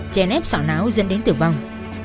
chè nếp sỏ náo dân đến tử vong